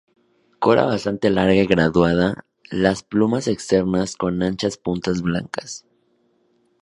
Cola bastante larga y graduada, las plumas externas con anchas puntas blancas.